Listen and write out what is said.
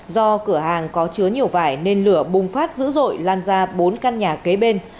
do cửa hàng có chứa nhiều vải nên lửa bùng phát dữ dội lan ra bốn căn nhà kế bên